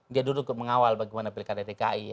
dia duduk mengawal bagaimana pilihan dari dki